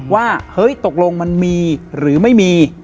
ว่าเฮ้ยตกลงมันมีหรือไม่มี